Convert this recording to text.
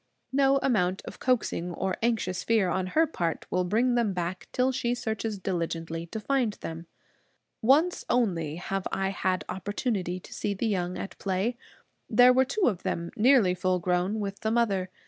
No amount of coaxing or of anxious fear on her part will bring them back, till she searches diligently to find them. Once only have I had opportunity to see the young at play. There were two of them, nearly full grown, with the mother.